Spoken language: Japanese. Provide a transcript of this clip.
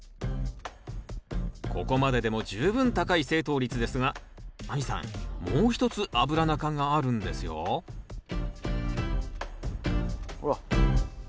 ここまででも十分高い正答率ですが亜美さんもう一つアブラナ科があるんですよほらっ。